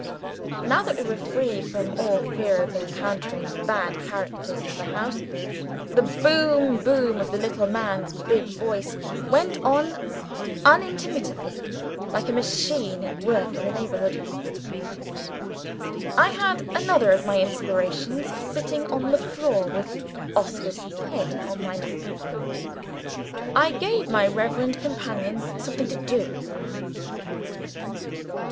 Now that we were free from all fear of encountering bad characters in the house, the boom boom of the little man's big voice went on unintermittingly, like a machine at work in the neighborhood. I had another of my inspirations sitting on the floor with Oscar's head on my lap. I gave my reverend companion something to do.